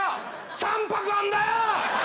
３泊あんだよ！